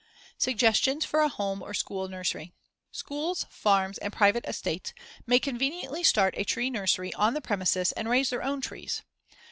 ] Suggestions for a home or school nursery: Schools, farms, and private estates may conveniently start a tree nursery on the premises and raise their own trees.